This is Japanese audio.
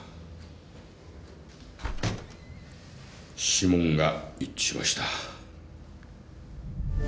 ・指紋が一致しました。